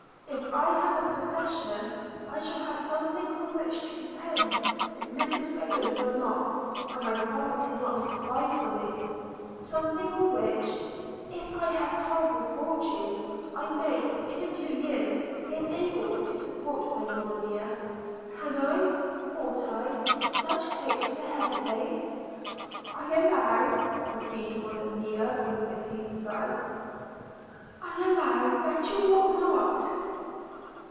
If I have a profession, I shall have something on which to depend, if Mrs Rayland will not, and my father cannot provide for me; something on which, if I have tolerable fortune, I may in a few years be enabled to support my Monimia. Can I, ought I with such hopes to hesitate?' 'I allow,' replied Monimia with a deep sigh – 'I allow that you ought not.'